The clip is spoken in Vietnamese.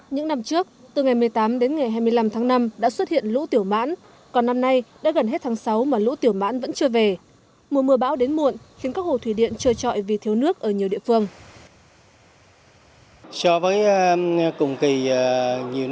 những năm trước từ ngày một mươi tám đến ngày hai mươi năm tháng năm đã xuất hiện lũ tiểu mãn còn năm nay đã gần hết tháng sáu mà lũ tiểu mãn vẫn chưa về